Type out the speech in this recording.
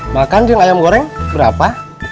makan juga ayam goreng berapa